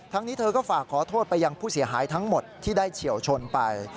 นี้เธอก็ฝากขอโทษไปยังผู้เสียหายทั้งหมดที่ได้เฉียวชนไป